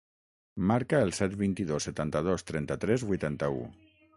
Marca el set, vint-i-dos, setanta-dos, trenta-tres, vuitanta-u.